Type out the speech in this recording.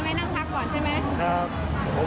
นั่งทักก่อนใช่ไหมครับ